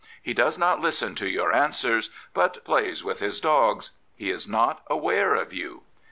He does not listen to your answers, but plays with his dogs. He is not aware of you.